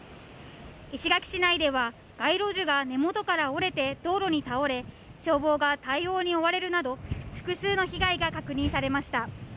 石垣市内では街路樹が根元から折れて道路に倒れ消防が対応に追われるなど、複数の被害が確認されました。